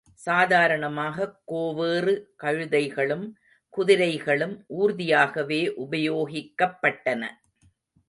சாதாரணமாகக் கோவேறு கழுதைகளும், குதிரைகளும் ஊர்தியாகவே உபயோகிக்கப்பட்டன.